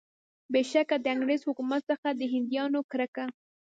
بېشکه د انګریز حکومت څخه د هندیانو کرکه.